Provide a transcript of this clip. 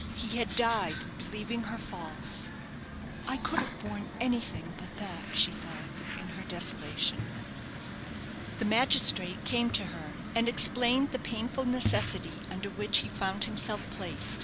He had died believing her false. "I could have borne anything but that," she thought, in her desolation. The magistrate came to her, and explained the painful necessity under which he found himself placed.